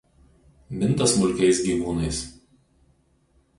Minta smulkiais gyvūnais.